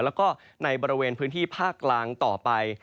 แล้วก็ในบริเวณพื้นที่ภาคกลางต่อไป